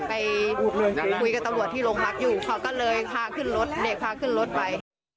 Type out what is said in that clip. ไปคุยกับตำรวจที่โรงพักอยู่เขาก็เลยพาขึ้นรถเด็กพาขึ้นรถไป